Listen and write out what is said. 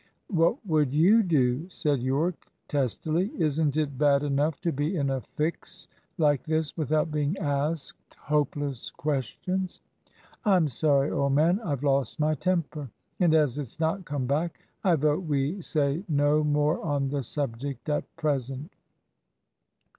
"What would you do?" said Yorke, testily. "Isn't it bad enough to be in a fix like this without being asked hopeless questions? I'm sorry, old man, I've lost my temper; and as it's not come back I vote we say no more on the subject at present."